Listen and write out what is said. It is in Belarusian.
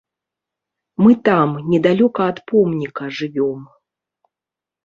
Мы там, недалёка ад помніка, жывём.